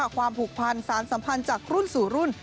ความผูกพันสารสัมพันธ์จากรุ่นสู่รุ่น